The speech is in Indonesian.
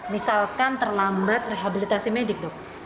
misalkan terlambat rehabilitasi medik